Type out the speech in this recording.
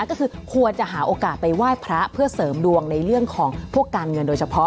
ก็คือควรจะหาโอกาสไปไหว้พระเพื่อเสริมดวงในเรื่องของพวกการเงินโดยเฉพาะ